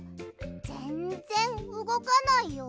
ぜんぜんうごかないよ。